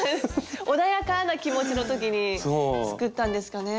穏やかな気持ちの時に作ったんですかね。